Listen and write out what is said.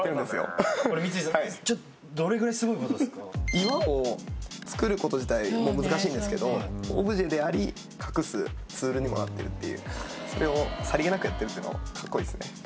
岩を作ること自体もう難しいんですけどオブジェであり隠すツールにもなってるっていうそれをさりげなくやってるっていうのかっこいいですね・